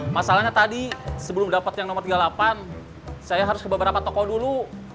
masalahnya tadi sebelum dapat yang nomor tiga puluh delapan saya harus ke beberapa toko dulu